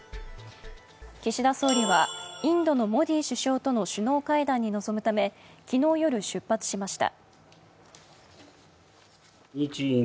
岸田総理はインドのモディ首相との首脳会談に臨むため昨日夜、出発しました。